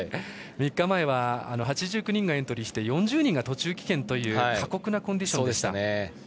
３日前は８９人がエントリーして４人が途中棄権という過酷なコンディションでしたね。